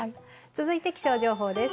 続いて気象情報です。